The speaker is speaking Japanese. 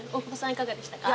いかがでしたか？